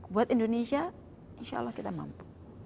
buat indonesia insya allah kita mampu